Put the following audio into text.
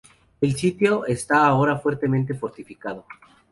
El sitio está ahora fuertemente fortificado.